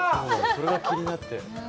それが気になって。